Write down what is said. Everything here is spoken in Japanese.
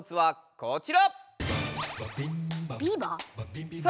こちら！